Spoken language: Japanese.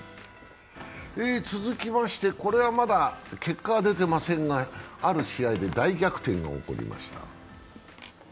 続きまして、これはまだ結果は出てませんが、ある試合で大逆転が起こりました。